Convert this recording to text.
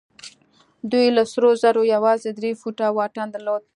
دوی له سرو زرو يوازې درې فوټه واټن درلود.